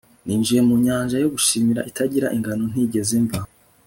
ninjiye mu nyanja yo gushimira itagira ingano ntigeze mva